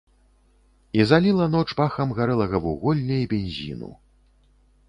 І заліла ноч пахам гарэлага вуголля і бензіну.